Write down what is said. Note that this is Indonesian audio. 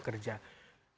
ya kartu kartu prakerja